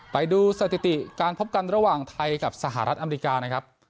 ไปดูสถิติการพบกันระหว่างไทยกับสหรัฐอเมริกานะครับ